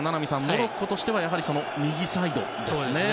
モロッコとしてはやはり、右サイドですね。